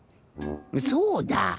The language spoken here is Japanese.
そうだ。